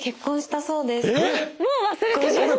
もう忘れてました。